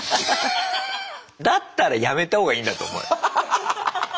だったらやめた方がいいんだと思うよ。